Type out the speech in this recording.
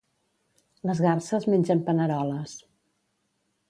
Les garses mengen paneroles